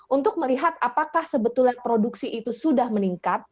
untuk melihat apakah sebetulnya produksi itu sudah meningkat